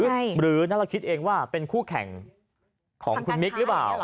หรือนั่นเราคิดเองว่าเป็นคู่แข่งของคุณมิกหรือเปล่า